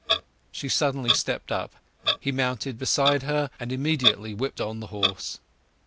She suddenly stepped up; he mounted beside her, and immediately whipped on the horse.